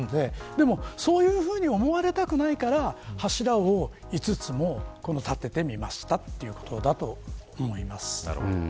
でも、そういうふうに思われたくないから柱を５つも立ててみましたということだと思います。